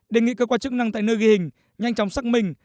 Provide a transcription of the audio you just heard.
đề nghị cơ quan chức năng tại nơi ghi hình nhanh chóng xác minh